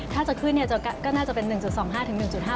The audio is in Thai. ถ้าจะขึ้นก็น่าจะเป็น๑๒๕๑๕